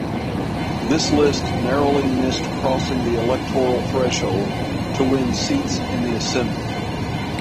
This list narrowly missed crossing the electoral threshold to win seats in the assembly.